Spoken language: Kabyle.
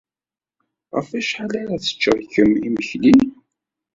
Ɣef wacḥal arq teččeḍ kemm imekli?